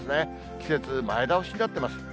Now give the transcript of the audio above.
季節前倒しになってます。